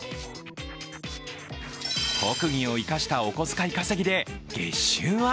特技を生かしたお小遣い稼ぎで月収は？